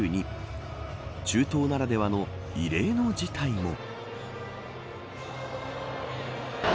中東ならではの異例の事態も。